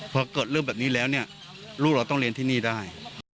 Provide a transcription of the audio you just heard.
พอเกิดเรื่องแบบนี้แล้วเนี่ยลูกเราต้องเรียนที่นี่ได้